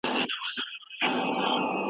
ولې بايد په خپله ژبه زده کړه وکړو؟